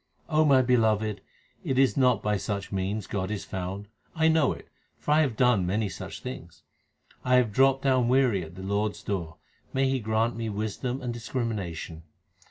my beloved, it is not by such means God is found ; I know it, for I have done many such things. 1 have dropped down weary at the Lord s door : may He grant me wisdom and discrimination